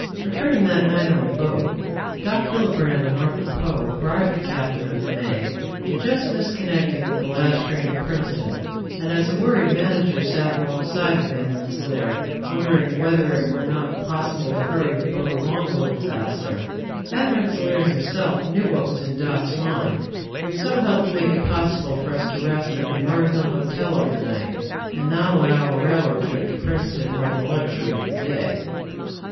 Returning that night on the boat, Doc Hillebrand and Arthur Poe bribed the captain of The May to just miss connecting with the last train to Princeton, and as a worried manager sat alongside of Van Rensselaer wondering whether it were not possible to hurry the boat along a little faster, Van Rensselaer himself knew what was in Doc's mind and so helped make it possible for us to rest at the Murray Hill Hotel over night, and not allow a railroad trip to Princeton mar the luxury of the day.